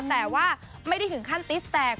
แต่ว่าไม่ได้ถึงขั้นติสแตก